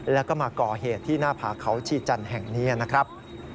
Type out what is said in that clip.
แล้วก็มาก่อเหตุที่หน้าผาเขาชีจันทร์แห่งนี้นะครับ